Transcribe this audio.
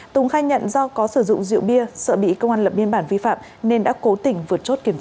tùng khai nhận do có sử dụng rượu bia sợ bị công an lập biên bản vi phạm nên đã cố tỉnh vượt chốt kiểm tra